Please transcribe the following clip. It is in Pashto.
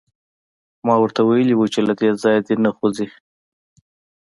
ما ورته ویلي وو چې له دې ځایه دې نه خوځي